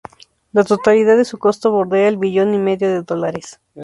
La totalidad de su costo bordea el millón y medio de dólares.